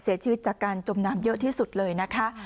เสียชีวิตจากการจมน้ำเยอะที่สุดเลยนะคะ